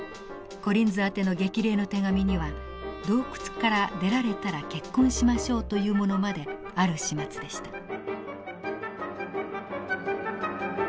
コリンズ宛ての激励の手紙には「洞窟から出られたら結婚しましょう」というものまである始末でした。